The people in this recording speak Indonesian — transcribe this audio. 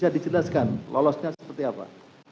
bisa dijelaskan lolosnya seperti apa